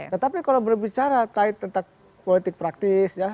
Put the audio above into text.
tetapi kalau berbicara tentang politik praktis ya